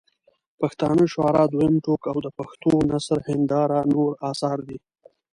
پښتانه شعراء دویم ټوک او د پښټو نثر هنداره نور اثار دي.